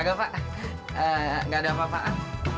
gak ada apa apaan